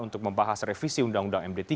untuk membahas revisi undang undang md tiga